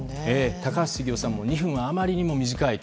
高橋杉雄さんも２分はあまりにも短いと。